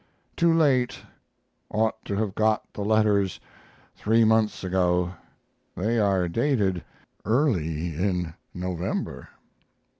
Too late ought to have got the letters three months ago. They are dated early in November.